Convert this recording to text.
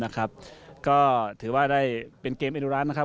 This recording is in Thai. ก็ถือว่าได้เป็นเกมเอดุร้านนะครับ